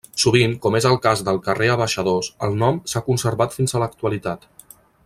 Sovint, com és el cas del carrer Abaixadors, el nom s'ha conservat fins a l'actualitat.